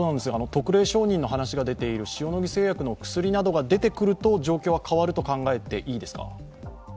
特例承認の話が出ている塩野義製薬の薬などが出てくると状況は変わると考えていいですか？